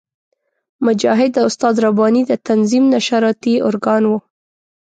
مجاهد د استاد رباني د تنظیم نشراتي ارګان وو.